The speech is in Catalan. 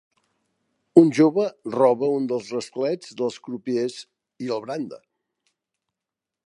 Un jove roba un dels rasclets dels crupiers i el branda.